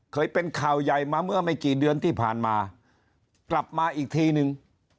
เคยเป็นข่าวใหญ่มาเมื่อไม่กี่เดือนที่ผ่านมากลับมาอีกทีนึง